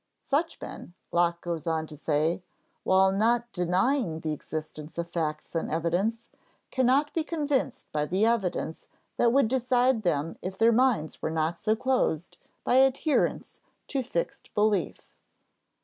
Such men, Locke goes on to say, while not denying the existence of facts and evidence, cannot be convinced by the evidence that would decide them if their minds were not so closed by adherence to fixed belief.